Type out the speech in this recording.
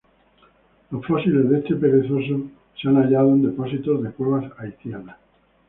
Los fósiles de este perezoso se han hallado en depósitos de cuevas haitianas.